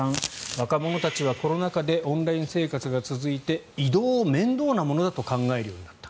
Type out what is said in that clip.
若者たちはコロナ禍でオンライン生活が続いて移動を面倒なものだと考えるようになった。